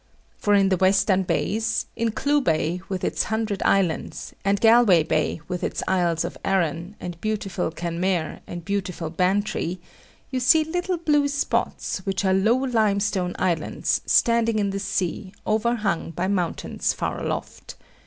For in the western bays, in Clew Bay with its hundred islands, and Galway Bay with its Isles of Arran, and beautiful Kenmare, and beautiful Bantry, you see little blue spots, which are low limestone islands, standing in the sea, overhung by mountains far aloft.